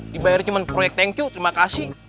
dibayarin cuma proyek thank you terima kasih